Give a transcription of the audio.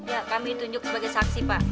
ya kami tunjuk sebagai saksi pak